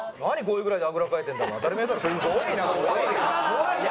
怖いよ。